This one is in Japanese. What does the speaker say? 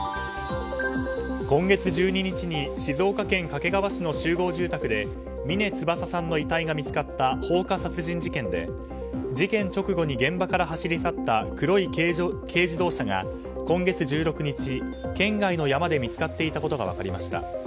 今月１２日に静岡県掛川市の集合住宅で峰翼さんの遺体が見つかった放火殺人事件で事件直後に現場から走り去った黒い軽自動車が今月１６日、県外の山で見つかっていたことが分かりました。